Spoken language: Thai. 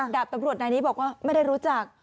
ดาบตำรวจนายนี้บอกว่าไม่ได้รู้จัก